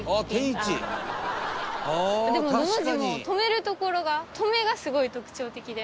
でもどの字も止める所が止めがすごい特徴的で。